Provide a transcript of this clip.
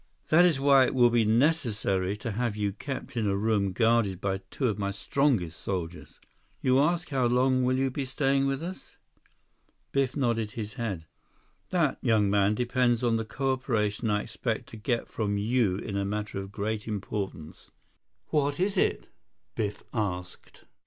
That is why it will be necessary to have you kept in a room guarded by two of my strongest soldiers. You ask how long will you be staying with us?" Biff nodded his head. "That, young man, depends on the cooperation I expect to get from you in a matter of great importance." "What is it?" Biff asked.